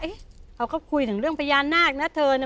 เขาก็คุยถึงเรื่องพญานาคนะเธอนะ